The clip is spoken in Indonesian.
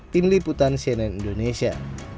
tim liputan cnn indonesia